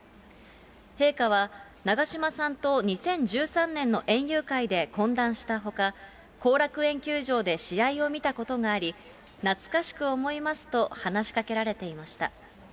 陛下は、長嶋さんと２０１３年の園遊会で懇談したほか、後楽園球場で試合を見たことがあり、懐かしく思いますと話しかけられていました。